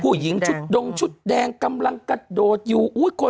ผู้หญิงชุดดงชุดแดงกำลังกระโดดอยู่